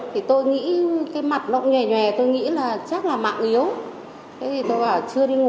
thì tôi nghĩ cái mặt lộn nhòe nhòe tôi nghĩ là chắc là mạng yếu